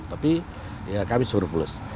tapi ya kami surplus